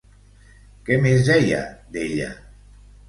Què més deia d'ella?